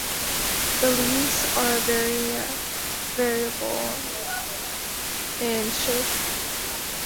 The leaves are very variable in shape.